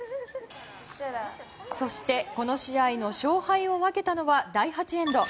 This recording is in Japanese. そしてこの試合の勝敗を分けたのは第８エンド。